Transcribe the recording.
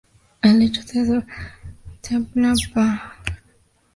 De hecho, se hablaba de Dos Castillas: Castilla la Vieja y Castilla la Nueva.